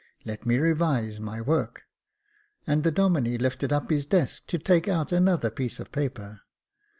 Let me revise my work," and the Domine lifted up his desk to take out another piece of paper.